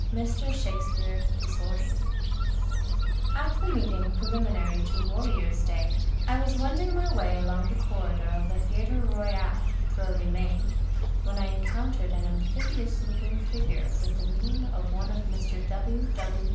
n MR SHAKESPEARE DISORDERLY At the meeting preliminary to " Warriors' Day I was wending my way along the eorridor of the Theatre Royal, Drury Lane, when I encountered an amphibious looking figure with the mien of one of Mr. W. W.